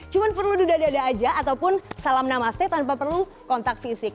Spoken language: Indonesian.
cuma perlu dudadah dadah aja ataupun salam namaste tanpa perlu kontak fisik